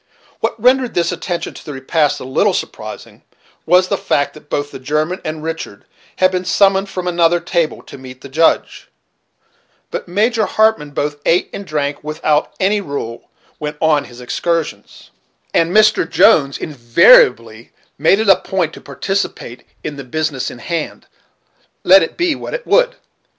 What rendered this attention to the repast a little surprising, was the fact that both the German and Richard had been summoned from another table to meet the Judge; but Major Hartmann both ate and drank without any rule, when on his excursions; and Mr. Jones invariably made it a point to participate in the business in hand, let it be what it would.